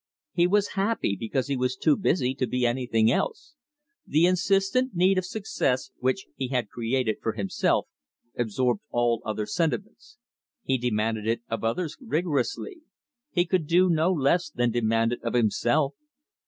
He was happy because he was too busy to be anything else. The insistent need of success which he had created for himself, absorbed all other sentiments. He demanded it of others rigorously. He could do no less than demand it of himself.